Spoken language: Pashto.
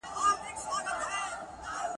خدای خبر چي بیا پیدا کړې داسی نر بچی ښاغلی ..